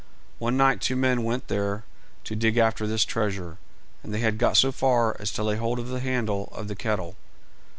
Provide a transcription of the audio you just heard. One night two men went there to dig after this treasure, and they had got so far as to lay hold of the handle of the kettle.